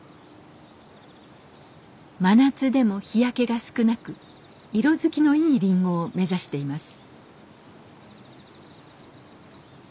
真夏でも日焼けが少なく色づきのいいリンゴを目指しています。